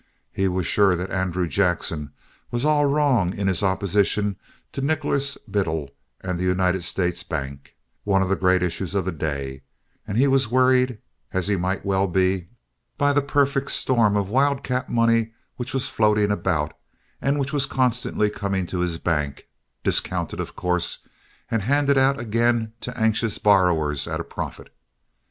He was sure that Andrew Jackson was all wrong in his opposition to Nicholas Biddle and the United States Bank, one of the great issues of the day; and he was worried, as he might well be, by the perfect storm of wildcat money which was floating about and which was constantly coming to his bank—discounted, of course, and handed out again to anxious borrowers at a profit.